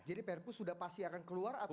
jadi prpu sudah pasti akan keluar atau belum